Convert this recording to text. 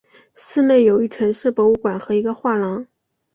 市内有一城市博物馆和一个画廊。